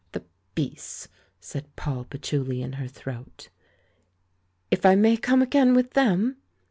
"The beasts!" said Poll PatchouH in her throat. "If I may come again with them